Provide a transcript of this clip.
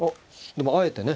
でもあえてね。